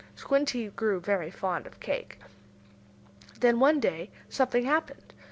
Squinty grew very fond of cake. Then one day something happened.